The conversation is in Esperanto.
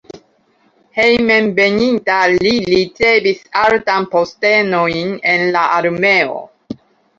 Hejmenveninta li ricevis altajn postenojn en la armeo.